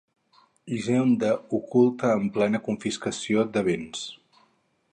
Hisenda oculta en plena confiscació de béns.